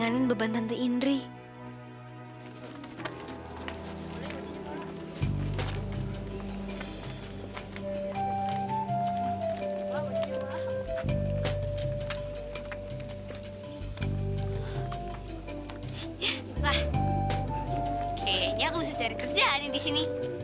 ya dia jahat banget ken